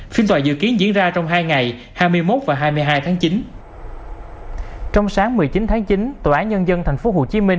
phiên tòa dự kiến diễn ra trong hai ngày hai mươi một và hai mươi hai tháng chín